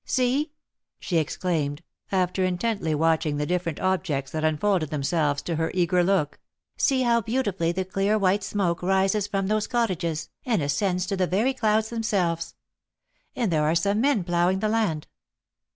"See!" she exclaimed, after intently watching the different objects that unfolded themselves to her eager look, "see how beautifully the clear white smoke rises from those cottages, and ascends to the very clouds themselves; and there are some men ploughing the land.